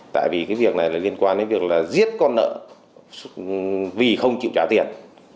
tại vì cái việc này là liên quan đến việc là giết con nợ vì không chịu trả tiền